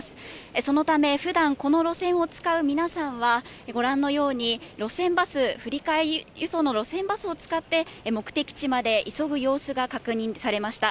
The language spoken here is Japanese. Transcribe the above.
そのため普段この路線を使う皆さんは、ご覧のように、路線バス、振替輸送の路線バスを使って目的地まで急ぐ様子が確認されました。